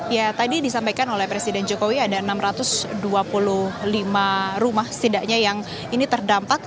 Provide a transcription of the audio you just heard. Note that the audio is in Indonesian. ya tadi disampaikan oleh presiden jokowi ada enam ratus dua puluh lima rumah setidaknya yang ini terdampak